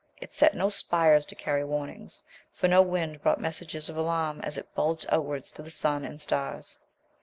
It set no spires to carry warnings, for no wind brought messages of alarm as it bulged outwards to the sun and stars.